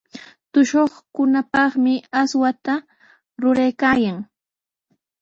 Tushuqkunapaqmi aswata ruraykaayan.